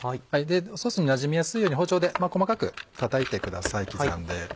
ソースになじみやすいように包丁で細かくたたいてください刻んで。